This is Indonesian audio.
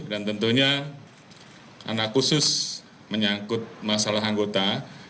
dan tentunya karena khusus menyangkut masalah anggota